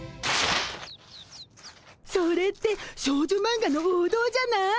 それって少女マンガの王道じゃない？